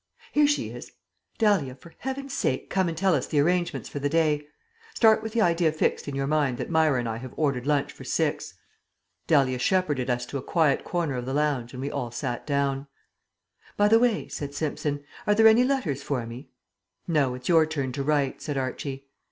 "Here she is. Dahlia, for Heaven's sake come and tell us the arrangements for the day. Start with the idea fixed in your mind that Myra and I have ordered lunch for six." Dahlia shepherded us to a quiet corner of the lounge and we all sat down. "By the way," said Simpson, "are there any letters for me?" "No; it's your turn to write," said Archie.